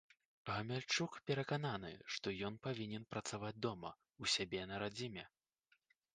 Гамяльчук перакананы, што ён павінен працаваць дома, у сябе на радзіме.